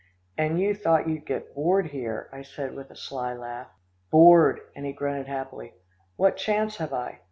"And you thought you'd get bored here," I said with a sly laugh. "Bored," and he grunted happily, "what chance have I?